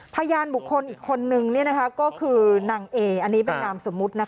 พยานบุคคลอีกคนนึงก็คือนางเออันนี้เป็นนามสมมุติ